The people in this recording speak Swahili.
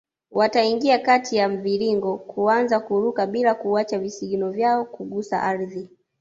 Wataingia kati ya mviringo kuanza kuruka bila kuacha visigino vyao kugusa ardhi